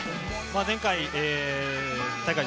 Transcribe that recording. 前回大会